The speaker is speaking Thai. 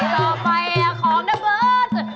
ต่อไปของนเบิร์ต